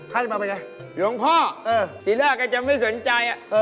ให้มาไปไงหลวงพ่อจิรักษ์อาจจะไม่สนใจ